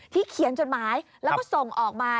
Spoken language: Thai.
เขียนจดหมายแล้วก็ส่งออกมา